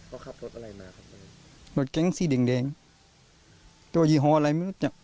เขาขับรถอะไรมาครับรถเก๋งสีแดงแดงตัวยี่ห้ออะไรไม่รู้จัก